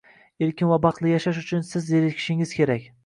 Erkin va baxtli yashash uchun siz zerikishingiz kerak.